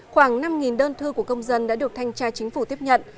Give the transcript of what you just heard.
khoảng năm đơn thư của công dân đã được thanh tra chính phủ tiếp nhận